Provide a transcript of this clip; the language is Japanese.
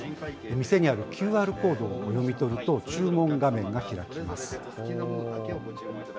店にあるＱＲコードを読み取ると、注文画面が開きます。